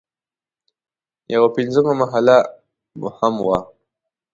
یوه پنځمه محله هم وه.